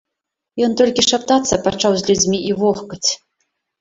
Ён толькі шаптацца пачаў з людзьмі і вохкаць.